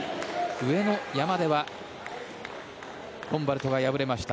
上の山ではロンバルドが敗れました。